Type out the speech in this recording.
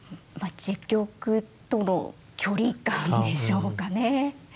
時局との距離感でしょうかね。